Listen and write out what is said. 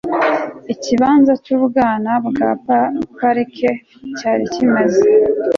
ikibanza cy'ubwana bwa parker cyari kimaze